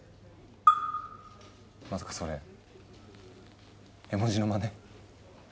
まさかそれ絵文字のまね？